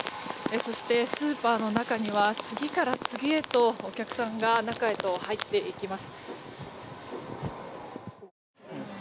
そして、スーパーの中には次から次へとお客さんが中へと入っていきます。